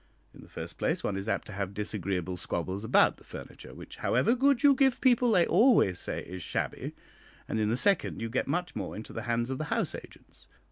In the first place, one is apt to have disagreeable squabbles about the furniture, which, however good you give people, they always say is shabby; and in the second, you get much more into the hands of the house agents."